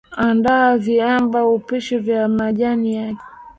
andaa viamba upishi vya majani yako